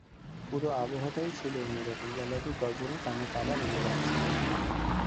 পুরো আবহটাই ছিল অন্য রকম, গ্যালারির গর্জনে কানে তালা লেগে যাচ্ছিল।